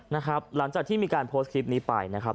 หลังจากที่มีการโพสต์คลิปนี้ไปนะครับ